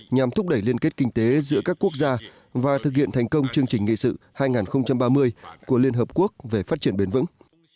nhằm thúc đẩy liên kết kinh tế giữa các quốc gia và thực hiện thành công chương trình nghị sự hai nghìn ba mươi của liên hợp quốc về phát triển bền vững